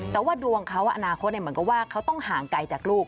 แต่ว่าดวงเขาอนาคตเหมือนกับว่าเขาต้องห่างไกลจากลูก